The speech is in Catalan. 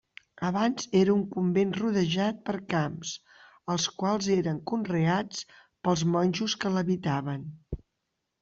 Abans era un convent rodejat per camps, els quals eren conreats pels monjos que l'habitaven.